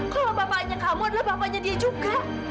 kalau bapaknya kamu adalah bapaknya dia juga